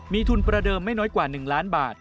มีทุนประเดิมไม่น้อยกว่า๑ล้านบาท